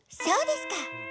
そうですか。